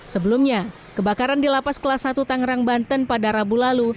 sebelumnya kebakaran di lapas kelas satu tangerang banten pada rabu lalu